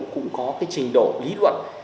cũng có cái trình độ lý luận